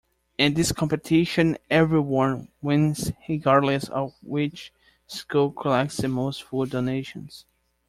In this competition everyone wins regardless of which school collects the most food donations.